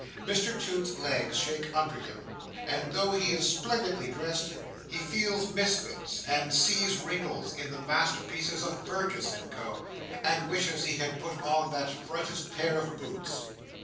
Mr Toots's legs shake under him; and though he is splendidly dressed, he feels misfits, and sees wrinkles, in the masterpieces of Burgess and Co., and wishes he had put on that brightest pair of boots.